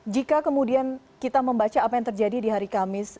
jika kemudian kita membaca apa yang terjadi di hari kamis